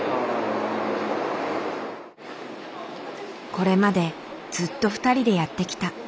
これまでずっと２人でやってきた。